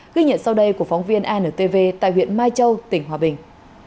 ghi nhận sau đây của phóng viên antv tại huyện mai châu tỉnh hòa bình